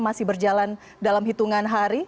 masih berjalan dalam hitungan hari